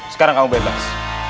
sekarang kamu bebas